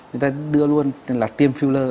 người ta đưa luôn tiêm filler